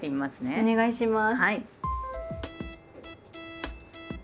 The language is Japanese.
お願いします。